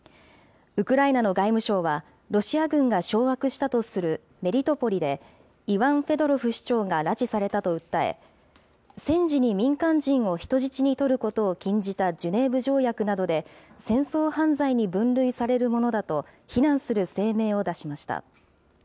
ウクライナの外務省は、ロシア軍が掌握したとするメリトポリで、イワン・フェドロフ市長が拉致されたと訴え、戦時に民間人を人質にとることを禁じたジュネーブ条約などで、戦争犯罪に分類されるものだと非難する声明を出しました。